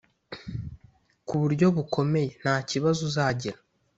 kuburyo bukomeye ntakibazo uzagira”